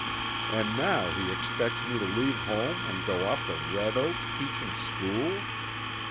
And now he expects me to leave home and go off to Red Oak teaching school!